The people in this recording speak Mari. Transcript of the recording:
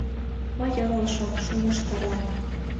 Мый ыҥлышым, шӱмышт тарлен.